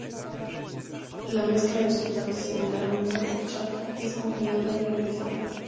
La mezcla resultante, similar a una horchata, es congelada y granizada.